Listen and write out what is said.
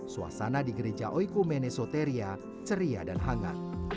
suasana di gereja oiku mene soteria ceria dan hangat